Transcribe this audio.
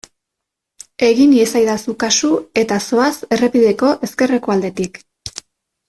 Egin iezadazu kasu eta zoaz errepideko ezkerreko aldetik.